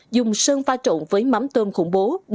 dùng sơn pha trộn với mắm tôm khủng